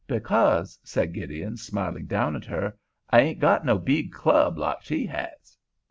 "Because," said Gideon, smiling down at her, "I ain' got no beeg club like she has."